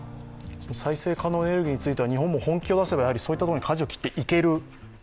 再生可能エネルギーについては日本も本気を出せばそういったところにかじを切っていける？